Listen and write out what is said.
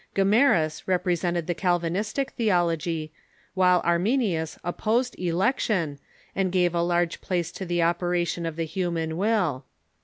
Gomarus represented the Calvinistic theology, while Arminius opposed election, and gave a large place to the operation of the human will.